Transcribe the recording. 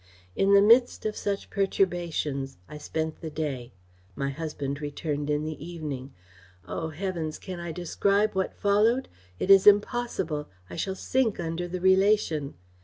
"In the midst of such perturbations I spent the day. My husband returned in the evening. O, Heavens! can I describe what followed? It is impossible! I shall sink under the relation.